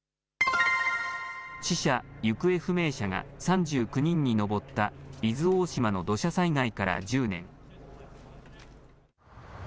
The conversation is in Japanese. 死者・行方不明者が３９人に上った伊豆大島の土砂災害から１０年。